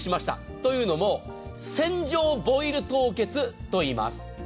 というのも船上ボイル凍結といいます。